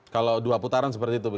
kalau dua putaran seperti itu